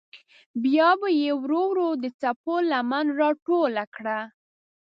بیا به یې ورو ورو د څپو لمن راټوله کړه.